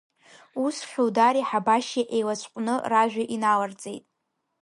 Ус Хьудари Ҳабашьи еилацәҟәны ражәа иналарҵеит…